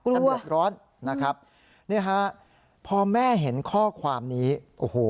เดือดร้อนนะครับนี่ฮะพอแม่เห็นข้อความนี้โอ้โห